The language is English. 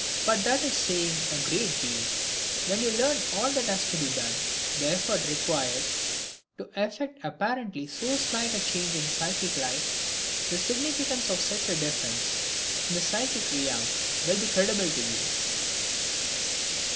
But that is saying a great deal. When you learn all that has to be done, the effort required to effect apparently so slight a change in psychic life, the significance of such a difference in the psychic realm will be credible to you.